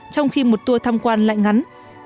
trong khi một tour thăm quan lại ngắn